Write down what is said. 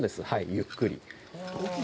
ゆっくり。